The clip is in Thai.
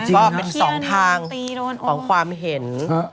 เพราะว่าเป็น๒ทางของความเห็น